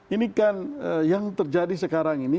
ini kan yang terjadi sekarang ini